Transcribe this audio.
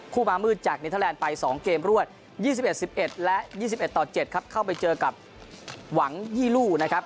มามืดจากเนเทอร์แลนด์ไป๒เกมรวด๒๑๑๑และ๒๑ต่อ๗ครับเข้าไปเจอกับหวังยี่ลู่นะครับ